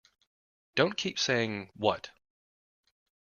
Don't keep saying, 'What?'